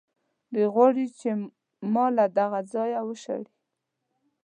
دوی غواړي چې ما له دغه ځایه وشړي.